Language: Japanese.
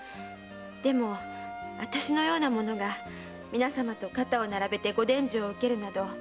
でもあたしのような者が皆さまと肩を並べてご伝授を受けるなどおそれ多くて。